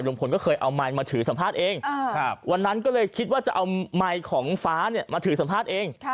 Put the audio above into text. ก็เคยเอาไมค์มาถือสัมภาษณ์เองวันนั้นก็เลยคิดว่าจะเอาไมค์ของฟ้ามาถือสัมภาษณ์เอง